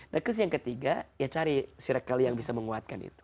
nah terus yang ketiga ya cari circle yang bisa menguatkan itu